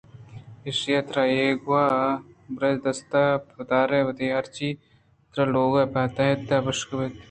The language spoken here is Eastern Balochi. ایشی ءَتر اولگا ءِ امبازاں دیست ءُتاں ایشی ءَ اوپار نہ شت ءُوتی ہرچی تئی حاتراببادات ءُمرچی توگوٛشئے کہ بناربس ءِ لوگ ءَ پر تو تحت ءُبشانگ پچ اَنت ءُجتگ اَنت